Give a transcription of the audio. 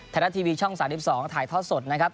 ธนาทีวีช่อง๓๒ถ่ายทอดสดนะครับ